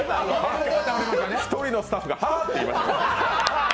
１人のスタッフが「は？」って言いましたよ。